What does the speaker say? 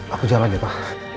aku jalan ya pak